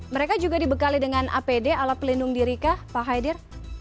mereka juga dibekali dengan apd alat pelindung diri kah pak haidir